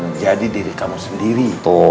menjadi diri kamu sendiri